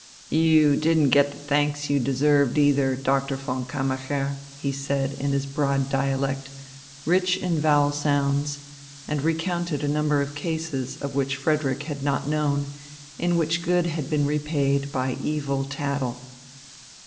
"You didn't get the thanks you deserved, either, Doctor von Kammacher," he said in his broad dialect, rich in vowel sounds, and recounted a number of cases, of which Frederick had not known, in which good had been repaid by evil tattle.